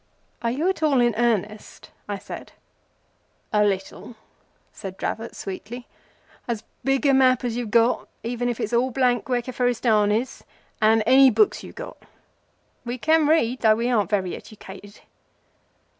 "Are you at all in earnest?" I said. "A little," said Dravot, sweetly. "As big a map as you have got, even if it's all blank where Kafiristan is, and any books you've got. We can read, though we aren't very educated."